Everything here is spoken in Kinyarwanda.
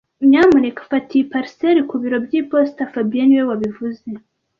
Nyamuneka fata iyi parcelle ku biro by'iposita fabien niwe wabivuze